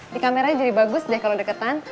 di kameranya jadi bagus deh kalau deketan